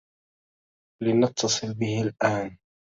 لنتّصل به الآن.